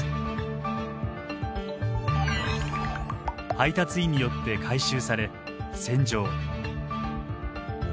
配達員によって回収され洗浄。